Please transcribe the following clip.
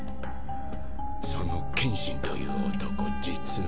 その剣心という男実は。